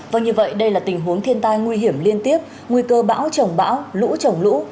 vâng như vậy đây là tình huống thiên tai nguy hiểm liên tiếp nguy cơ bão trồng bão lũ trồng lũ